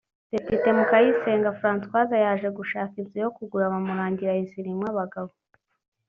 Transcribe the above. Depite Mukayisenga Françoise yaje gushaka inzu yo kugura bamurangira iya Zirimwabagabo